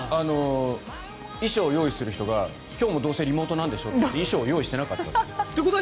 衣装を用意する人が今日もどうせリモートなんでしょって衣装を用意してなかったと。